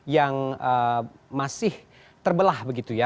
yang masih terbelah begitu ya